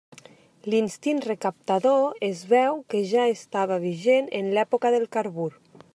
L'instint recaptador es veu que ja estava vigent en l'època del carbur.